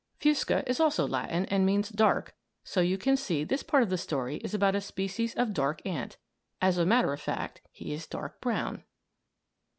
Fusca is also Latin, and means "dark"; so you can see this part of the story is about a species of dark ant. As a matter of fact he is dark brown.